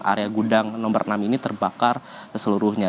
area gudang nomor enam ini terbakar seluruhnya